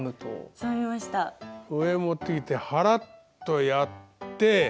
上へ持ってきてハラッとやって。